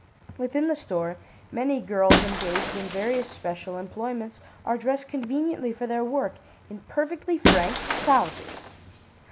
"Within the store, many girls engaged in various special employments, are dressed conveniently for their work, in perfectly frank trousers.